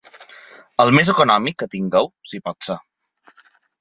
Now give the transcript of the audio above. El més econòmic que tingueu, si pot ser.